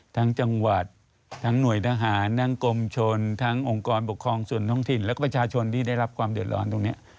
ทั้งจังหวัดทั้งหน่วยทหารทั้งกรมชนทั้งองค์กรปกครองส่วนท้องถิ่นแล้วก็ประชาชนที่ได้รับความเดือดร้อนตรงนี้